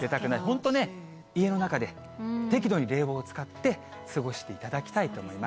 本当ね、家の中で、適度に冷房を使って過ごしていただきたいと思います。